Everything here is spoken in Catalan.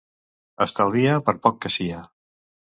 Estalvia, per poc que sia.